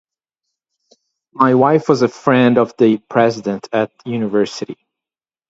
My wife was a friend of the president at University.